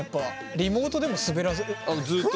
リモートでもスベらせる。